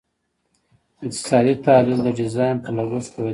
اقتصادي تحلیل د ډیزاین په لګښت پوهیدل دي.